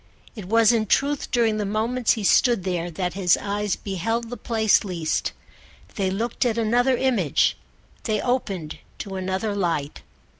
It was in truth during the moments he stood there that his eyes beheld the place least. They looked at another image, they opened to another light.